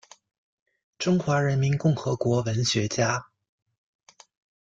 中华人民共和国文学家。